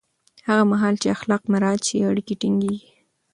هغه مهال چې اخلاق مراعت شي، اړیکې ټینګېږي.